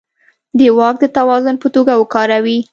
د واک د توازن په توګه وکاروي.